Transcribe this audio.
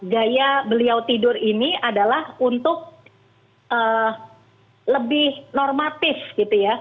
gaya beliau tidur ini adalah untuk lebih normatif gitu ya